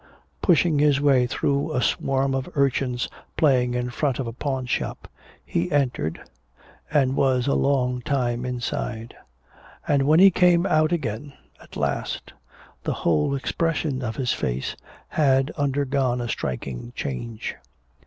Pushing his way through a swarm of urchins playing in front of a pawnshop, he entered and was a long time inside, and when he came out again at last the whole expression of his face had undergone a striking change.